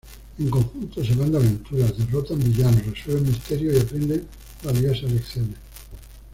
En conjunto, se van de aventuras, derrotan villanos, resuelven misterios y aprenden valiosas lecciones.